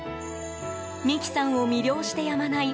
美希さんを魅了してやまない